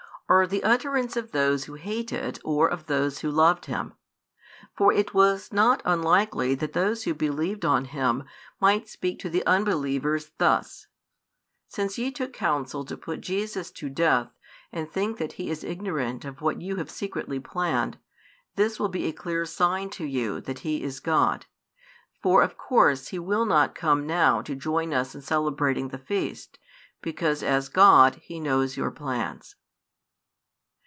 are the utterance of those who hated or of those who loved Him. For it was not unlikely that those who believed on Him might speak to the unbelievers thus: "Since ye took counsel to put Jesus to death, and think that He is ignorant of what you have secretly planned, this will be a clear sign to you that He is God. For of course He will not come now to join us in celebrating the feast, because as God He knows your plans."